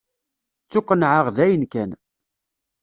Ttuqennεeɣ dayen kan.